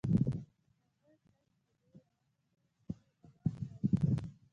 هغه تل په دې يوه خبره پوره باور درلود.